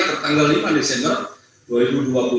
tertanggal lima desember dua ribu dua puluh